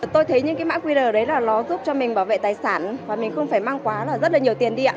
tôi thấy những cái mã qr đấy là nó giúp cho mình bảo vệ tài sản và mình không phải mang quá là rất là nhiều tiền đi ạ